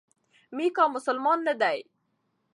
میکا مسلمان نه دی.